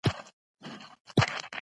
پیلوټ د خپلو عملو حساب ورکوي.